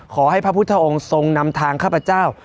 พระพุทธองค์ทรงนำทางข้าพเจ้า